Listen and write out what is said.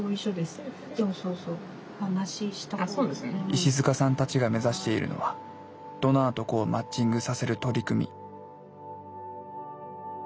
石塚さんたちが目指しているのはドナーと子をマッチングさせる取り組み。